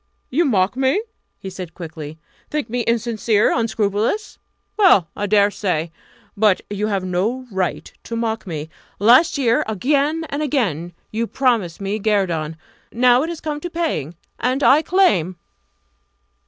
"You mock me?" he said quickly "think me insincere, unscrupulous? Well, I dare say! But you have no right to mock me. Last year, again and again, you promised me guerdon. Now it has come to paying and I claim!"